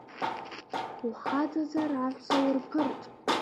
Ухаҵазар, аҳәса урԥырҵ!